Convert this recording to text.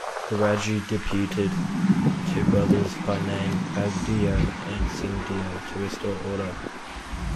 The Raja deputed two brothers by name Baghdeo and Singhdeo to restore order.